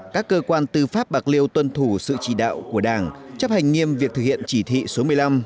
các cơ quan tư pháp bạc liêu tuân thủ sự chỉ đạo của đảng chấp hành nghiêm việc thực hiện chỉ thị số một mươi năm